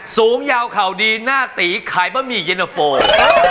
สูงยาวเข่าดีหน้าตีขายบะหมี่เย็นตะโฟน